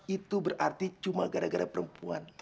itu berarti cuma gara gara perempuan